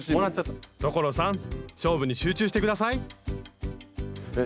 所さん勝負に集中して下さいえっ